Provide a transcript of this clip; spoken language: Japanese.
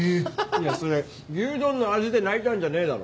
いやそれ牛丼の味で泣いたんじゃねえだろ。